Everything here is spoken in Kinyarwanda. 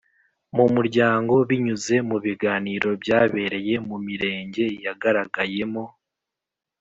Mu muryango binyuze mu biganiro byabereye mu Mirenge yagaragayemo